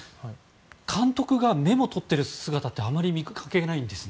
監督がメモを取ってる姿ってあまり見かけないんですね。